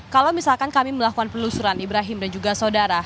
kalau misalkan kami melakukan penelusuran ibrahim dan juga saudara